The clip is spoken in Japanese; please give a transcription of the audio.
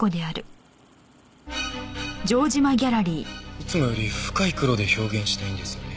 いつもより深い黒で表現したいんですよね。